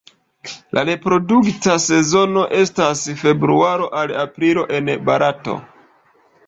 La reprodukta sezono estas februaro al aprilo en Barato.